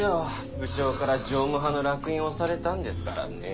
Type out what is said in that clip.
部長から常務派の烙印押されたんですからねぇ。